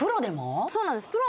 そうなんです。